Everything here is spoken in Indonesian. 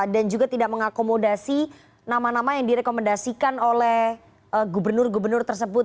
dan juga tidak mengakomodasi nama nama yang direkomendasikan oleh gubernur gubernur tersebut